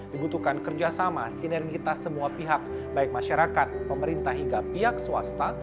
dibutuhkan kerjasama sinergitas semua pihak baik masyarakat pemerintah hingga pihak swasta